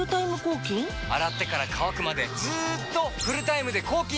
洗ってから乾くまでずっとフルタイムで抗菌！